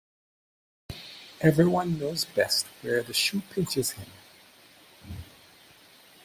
Every one knows best where the shoe pinches him.